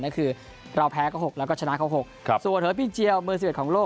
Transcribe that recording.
นั่นคือเราแพ้เข้าหกแล้วก็ชนะเข้าหกส่วนเฮอร์พี่เจียวมือ๑๑ของโลก